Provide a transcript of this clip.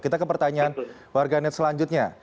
kita ke pertanyaan warganet selanjutnya